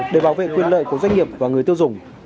để bảo vệ quyền lợi của doanh nghiệp và người tiêu dùng